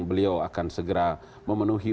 beliau akan segera memenuhi